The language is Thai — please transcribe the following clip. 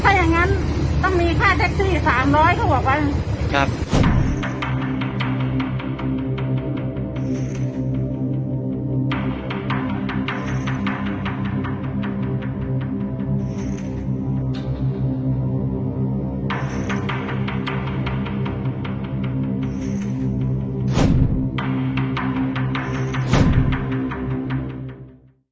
ถ้าอย่างงั้นต้องมีค่าสารียหมอหลอยเขาบอกว่า